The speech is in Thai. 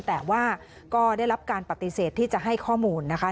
แต่ว่าก็ได้รับการปฏิเสธที่จะให้ข้อมูลนะคะ